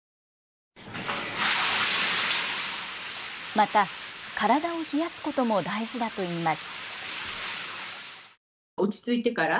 また体を冷やすことも大事だといいます。